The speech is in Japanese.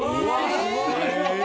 すごい！